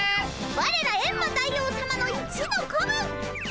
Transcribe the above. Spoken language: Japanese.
ワレらエンマ大王さまの一の子分！